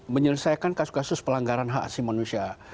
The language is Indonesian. menyelesaikan kasus kasus pelanggaran hak asli manusia